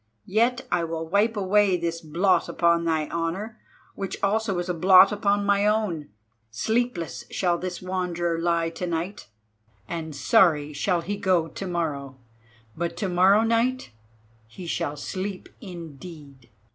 Yet I will wipe away this blot upon thy honour, which also is a blot upon my own. Sleepless shall this Wanderer lie to night, and sorry shall he go to morrow, but to morrow night he shall sleep indeed."